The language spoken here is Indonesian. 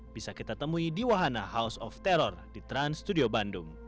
bisa kita temui di wahana house of terror di trans studio bandung